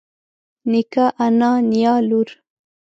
نيکه انا نيا لور